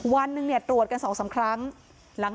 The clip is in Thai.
วันหนึ่งเนี่ยตรวจกัน๒๓ครั้ง